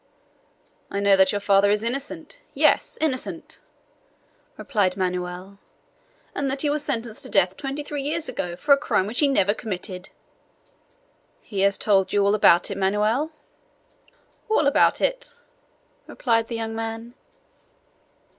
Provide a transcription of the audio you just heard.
"I know that your father is innocent! Yes, innocent!" replied Manoel, "and that he was sentenced to death twenty three years ago for a crime which he never committed!" "He has told you all about it, Manoel?" "All about it," replied the young man.